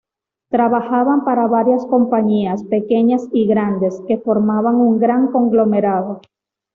Trabajaban para varias compañías -pequeñas y grandes- que formaban un gran conglomerado.